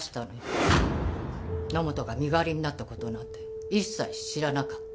野本が身代わりになった事なんて一切知らなかった。